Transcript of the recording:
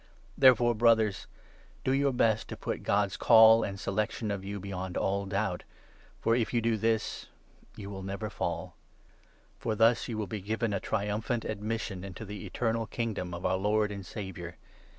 Therefore, Brothers, do your best to put God's Call 10 and Selection of you beyond all doubt; for, if you do this, you will never fall. For thus you will be given a triumphant n admission into the eternal Kingdom of our Lord and Saviour, Jesus Christ. 464 II. PETER, 1 2.